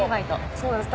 そうですね。